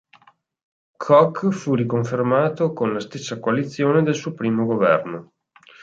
Kok fu riconfermato con la stessa coalizione del suo primo governo.